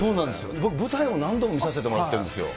僕、舞台を何度も見させてもらっているんですよ。